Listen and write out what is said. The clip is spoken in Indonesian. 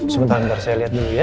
sebentar saya lihat dulu ya